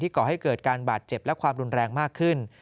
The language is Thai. ก่อให้เกิดการบาดเจ็บและความรุนแรงมากขึ้น